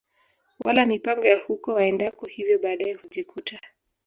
wala mipango ya huko waendako hivyo baadae hujikuta